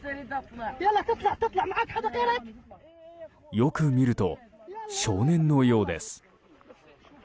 よく見ると少年のようです。